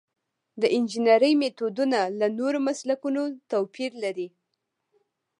د انجنیری میتودونه له نورو مسلکونو توپیر لري.